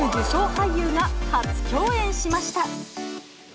俳優が初共演しました。